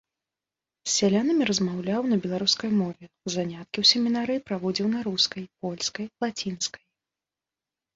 З сялянамі размаўляў на беларускай мове, заняткі ў семінарыі праводзіў на рускай, польскай, лацінскай.